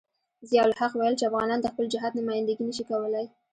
ضیاء الحق ویل چې افغانان د خپل جهاد نمايندګي نشي کولای.